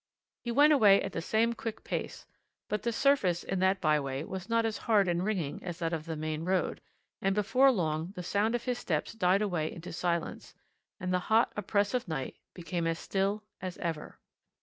He went away at the same quick pace; but the surface in that by way was not as hard and ringing as that of the main road, and before long the sound of his steps died away into silence, and the hot, oppressive night became as still as ever.